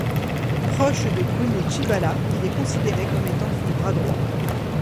Proche de Bruno Tshibala, il est considéré comme étant son bras droit.